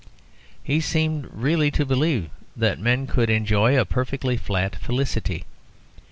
He seemed really to believe that men could enjoy a perfectly flat felicity.